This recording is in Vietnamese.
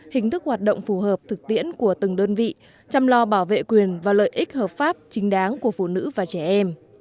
hình thức hoạt động phù hợp thực tiễn của từng đơn vị chăm lo bảo vệ quyền và lợi ích hợp pháp chính đáng của phụ nữ và trẻ em